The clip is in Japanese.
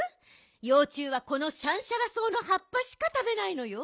ようちゅうはこのシャンシャラ草のはっぱしかたべないのよ。